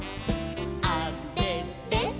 「あれれ！